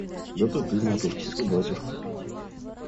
Да то ты, матушка, то батюшка.